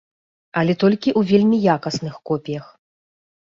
Але толькі ў вельмі якасных копіях.